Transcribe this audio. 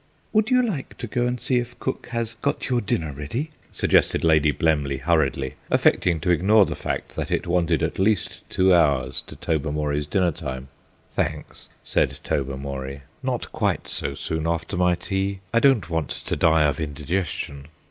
"Would you like to go and see if cook has got your dinner ready?" suggested Lady Blemley hurriedly, affecting to ignore the fact that it wanted at least two hours to Tobermory's dinner time. "Thanks," said Tobermory, "not quite so soon after my tea. I don't want to die of indigestion."